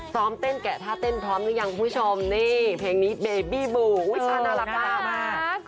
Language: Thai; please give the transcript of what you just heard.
ซ้อมเต้นแกะท่าเต้นพร้อมหรือยังคุณผู้ชมนี่เพลงนี้เบบี้บูอุ้ยช่าน่ารักมาก